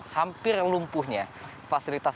hampir lumpuhnya fasilitas